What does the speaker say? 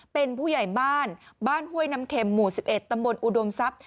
เป็นผู้ใหญ่บ้านบ้านห้วยน้ำเข็มหมู่๑๑ตำบลอุดมทรัพย